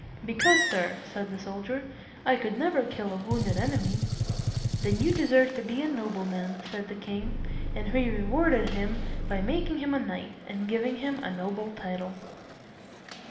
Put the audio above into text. "Because, sir," said the soldier, "I could never kill a wounded enemy." "Then you deserve to be a no ble man," said the king. And he re ward ed him by making him a knight, and giving him a noble title.